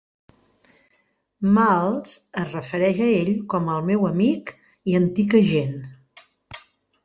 Maltz es refereix a ell com el meu amic i antic agent.